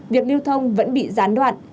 việc lưu thông vẫn bị gián đoạn